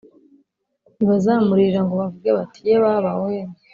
Ntibazamuririra ngo bavuge bati Ye baba we